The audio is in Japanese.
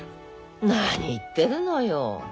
何言ってるのよ。